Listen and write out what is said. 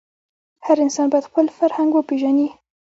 هر انسان باید خپل فرهنګ وپېژني.